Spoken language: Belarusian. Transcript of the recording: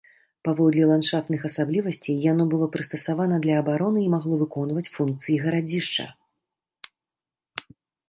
Паводле ландшафтных асаблівасцей яно было прыстасавана для абароны і магло выконваць функцыі гарадзішча.